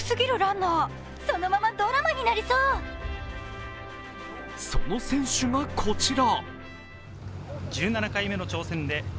その選手がこちら。